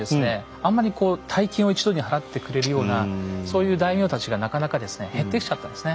あんまりこう大金を一度に払ってくれるようなそういう大名たちがなかなか減ってきちゃったんですね。